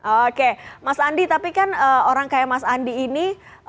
oke mas andi tapi kan orang kayak mas andi ini